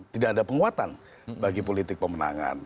tidak ada penguatan bagi politik pemenangan